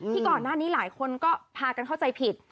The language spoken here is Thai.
ก่อนหน้านี้หลายคนก็พากันเข้าใจผิด